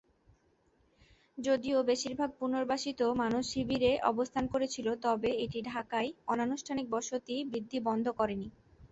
যদিও বেশিরভাগ পুনর্বাসিত মানুষ শিবিরে অবস্থান করেছিল, তবে এটি ঢাকায় অনানুষ্ঠানিক বসতি বৃদ্ধি বন্ধ করেনি।